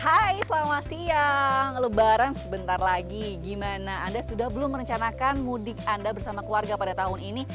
hai selamat siang lebaran sebentar lagi gimana anda sudah belum merencanakan mudik anda bersama keluarga pada tahun ini